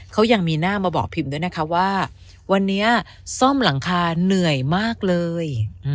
เขายังมีหน้ามาบอกพิมพ์ด้วยนะคะว่าวันนี้ซ่อมหลังคาเหนื่อยมากเลย